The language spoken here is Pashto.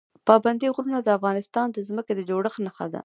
پابندي غرونه د افغانستان د ځمکې د جوړښت نښه ده.